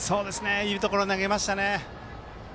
いいところに投げましたね。